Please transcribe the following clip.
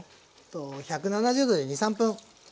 １７０℃で２３分。